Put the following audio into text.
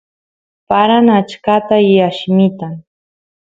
paran achkata y allimitan